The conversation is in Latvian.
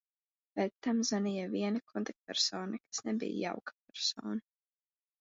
Pēc tam zvanīja viena kontaktpersona, kas nebija jauka persona.